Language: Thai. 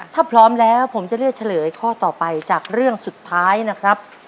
ถ้าพร้อมแล้วผมจะเลือกเฉลยข้อต่อไปจากเรื่องสุดท้ายนะครับ